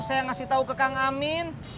saya ngasih tahu ke kang amin